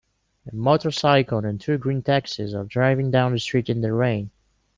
A motorcycle and two green taxis are driving down the street in the rain.